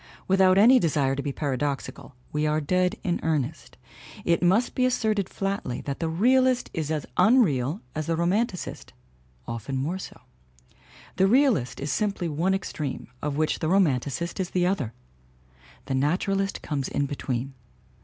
Without any desire to be paradoxical we are dead in earnest it must be asserted flatly that the realist is as unreal as the roman ticist. Often more so. The realist is simply one ex treme, of which the romanticist is the other. The naturalist comes in between.